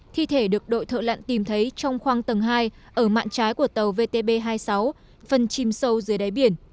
thi thể được đội thợ lặn tìm thấy trong khoang tầng hai ở mạng trái của tàu vtb hai mươi sáu phần chìm sâu dưới đáy biển